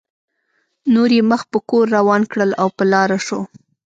نور یې مخ په کور روان کړل او په لاره شو.